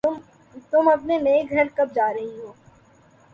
تم اپنے نئے گھر کب جا رہی ہو